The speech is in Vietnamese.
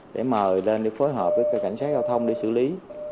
để mời lên phối hợp với cảnh sát giao thông để xử lý